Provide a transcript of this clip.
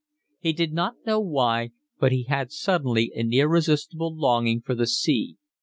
He did not know why, but he had suddenly an irresistible longing for the sea.